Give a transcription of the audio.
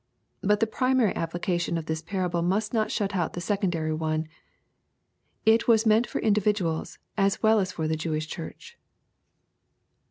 But the primary application of this parable must not shut out the secondary one. It was meant for individuals, as well as for the Jewish Church.